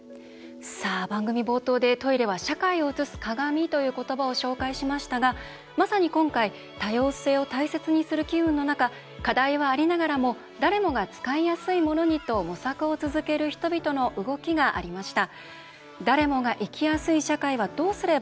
番組冒頭「トイレは社会を映す鏡」という言葉をお伝えしましたがまさに今回、多様性を大事にする機運の中課題はありながらも誰もが使いやすいものにと模索を続ける人々の動きがありました。